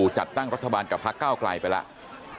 จัดตั้งรัฐบาลกับพักเก้าไกลไปแล้ว